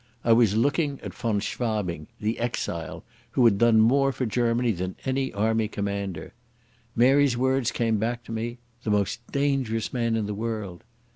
I was looking at von Schwabing, the exile, who had done more for Germany than any army commander.... Mary's words came back to me—"the most dangerous man in the world"....